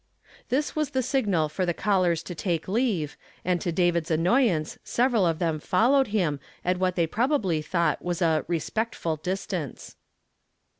'I'his was the sijriial for the eallers to take leave, and to David's annoyaiiec several of theni f(,l lowed him at what they probahly thoii<rht uas u "respeetful distaiiee."